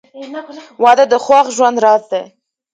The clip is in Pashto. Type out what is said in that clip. • واده د خوښ ژوند راز دی.